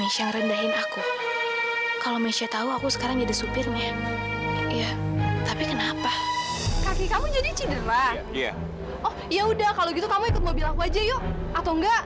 sampai jumpa di video selanjutnya